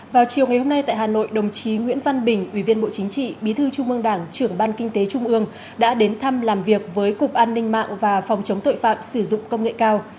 vào chiều ngày hôm nay tại hà nội đồng chí nguyễn văn bình ủy viên bộ chính trị bí thư trung mương đảng trưởng ban kinh tế trung ương đã đến thăm làm việc với cục an ninh mạng và phòng chống tội phạm sử dụng công nghệ cao